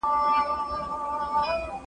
دوکه کول د بدبختۍ لامل ګرځي.